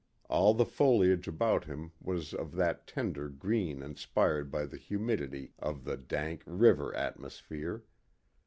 All the foliage about him was of that tender green inspired by the humidity of the dank, river atmosphere.